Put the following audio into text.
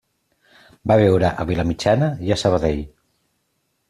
Va viure a Vilamitjana i a Sabadell.